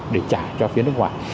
để trả cho phía nước ngoài